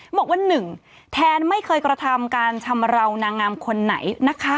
บอกว่า๑แทนไม่เคยกระทำการชำราวนางงามคนไหนนะคะ